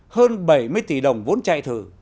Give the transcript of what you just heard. hơn bảy mươi tỷ đồng vốn chạy thử